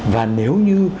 và nếu như